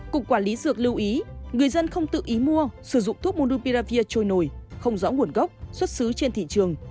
cục quản lý dược lưu ý người dân không tự ý mua sử dụng thuốc mupiravir trôi nổi không rõ nguồn gốc xuất xứ trên thị trường